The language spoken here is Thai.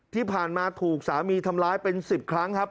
ที่ผ่านมาถูกสามีทำร้ายเป็น๑๐ครั้งครับ